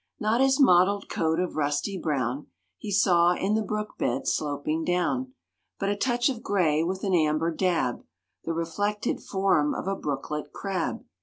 Not his mottled coat of rusty brown He saw in the brook bed sloping down, But a touch of gray with an amber dab The reflected form of a brooklet crab.